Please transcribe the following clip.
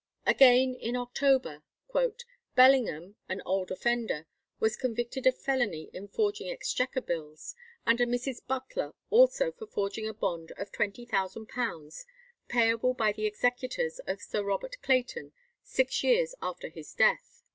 Again in October, "Bellingham, an old offender, was convicted of felony in forging Exchequer bills; and a Mrs. Butler, also for forging a bond of £20,000, payable by the executors of Sir Robert Clayton six years after his death."